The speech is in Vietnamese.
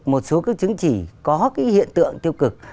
một số các chứng chỉ có cái hiện tượng tiêu cực